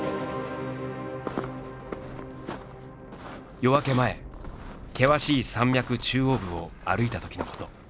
夜明け前険しい山脈中央部を歩いたときのこと。